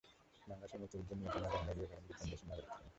বাংলাদেশের মুক্তিযুদ্ধে নিহত মাদার মারিও ভেরেনজি কোন দেশের নাগরিক ছিলেন?